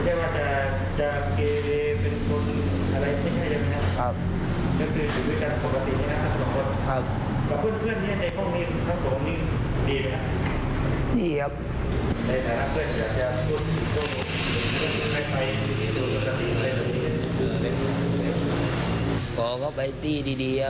ทางพนักงานสอบสวนสพทุ่งตำเสา